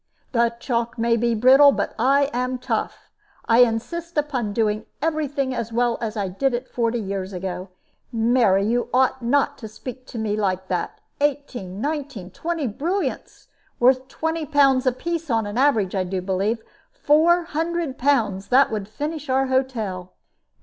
"The chalk may be brittle, but I am tough. I insist upon doing every thing as well as I did it forty years ago. Mary, you ought not to speak to me like that. Eighteen, nineteen, twenty brilliants, worth twenty pounds apiece upon an average, I do believe. Four hundred pounds. That would finish our hotel."